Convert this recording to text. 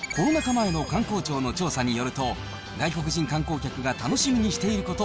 前の観光庁の調査によると、外国人観光客が楽しみにしていること